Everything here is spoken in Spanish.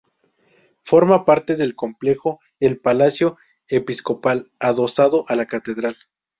Forma parte del complejo el Palacio Episcopal, adosado a la catedral.